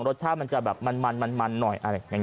รัสชาติมันจะแบบมันหน่อย